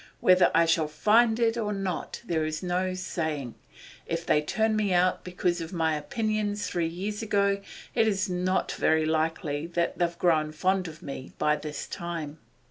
Whether I shall find it or not there's no saying. If they turned me out because of my opinions three years ago, it's not very likely that they've grown fonder of me by this time.